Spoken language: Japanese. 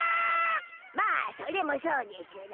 まあそれもそうでしゅな。